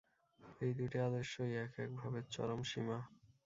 এই দুইটি আদর্শই এক এক ভাবের চরম সীমা।